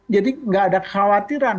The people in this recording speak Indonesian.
jadi tidak ada khawatiran